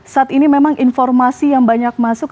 saat ini memang informasi yang banyak masuk